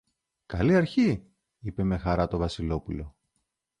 Καλή αρχή! είπε με χαρά το Βασιλόπουλο.